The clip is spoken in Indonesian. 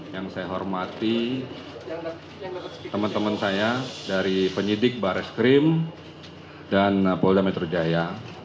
yang saya hormati teman teman saya dari penyidik bareskrim dan polda metro jaya